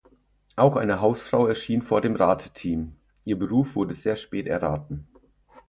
Auch eine Hausfrau erschien vor dem Rateteam; ihr Beruf wurde sehr spät erraten.